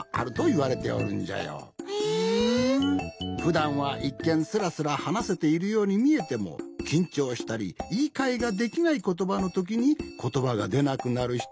ふだんはいっけんすらすらはなせているようにみえてもきんちょうしたりいいかえができないことばのときにことばがでなくなるひともいるようじゃ。